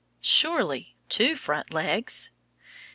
Surely, two front legs.